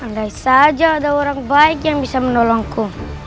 andai saja ada orang baik yang bisa menolongku